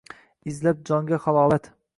Izlab jonga halovat.